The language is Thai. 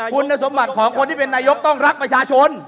คุณสมบัติของคนที่เป็นนายกต้องรักประชาชน